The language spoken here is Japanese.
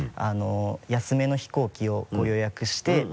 安めの飛行機を予約して。